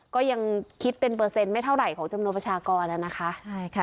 ก็ยังคิดเป็นเปอร์เซ็นต์ไม่เท่าไหร่ของจำนวนประชากรแล้วนะคะใช่ค่ะ